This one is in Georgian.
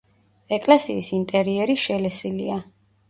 ეკლესიის ინტერიერი შელესილია.